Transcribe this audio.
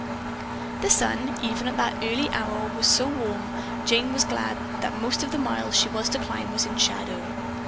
The sun, even at that early hour, was so warm Jane was glad that most of the mile she was to climb was in the shadow.